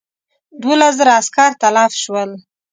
دوولس زره عسکر تلف شول.